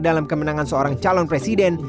dalam kemenangan seorang calon presiden